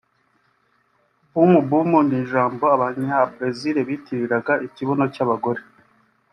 Bumbum ni ijambo Abanyabrezil bitirira ikibuno cy’abagore